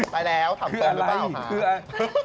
ไปแล้วถามตอนแล้วป่าวค่ะ